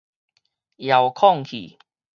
遙控器